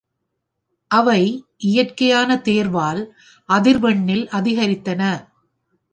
அவை இயற்கையான தேர்வால் அதிர்வெண்ணில் அதிகரித்தன.